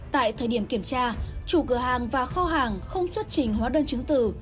tại thời điểm kiểm tra chủ cửa hàng và kho hàng không xuất trình hóa đơn chứng từ